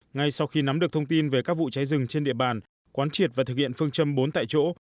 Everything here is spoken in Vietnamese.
ngay sau khi nắm được thông tin về các vụ cháy rừng trên địa bàn quán triệt và thực hiện phương châm bốn tại chỗ